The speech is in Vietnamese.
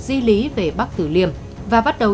di lý về bắc tử liêm và bắt đầu